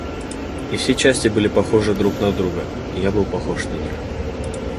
И все части были похожи друг на друга, и я был похож на них.